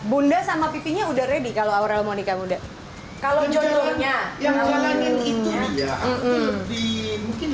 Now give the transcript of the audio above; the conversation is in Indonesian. bunda sama pipinya udah ready kalau aurel monika muda kalau jodohnya yang jalanin itu ya lebih mungkin